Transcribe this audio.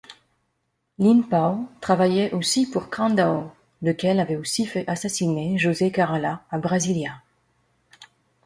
Lin-Pao travaillait aussi pour Crandao, lequel avait aussi fait assassiner José Carala à Brasilia.